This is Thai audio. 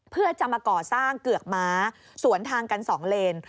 เพื่อจะมาก่อสร้างเกือกม้าสวนทางกัน๒เลน